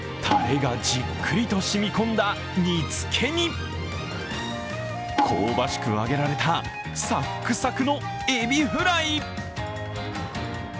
たれがじっくりとしみ込んだ煮つけに、香ばしく揚げられたサックサクのエビフライ。